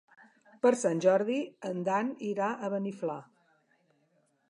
Per Sant Jordi en Dan irà a Beniflà.